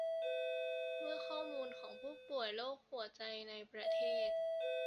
เมื่อข้อมูลของผู้ป่วยโรคหัวใจในประเทศ